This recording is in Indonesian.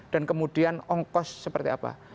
dan kemudian ongkos seperti apa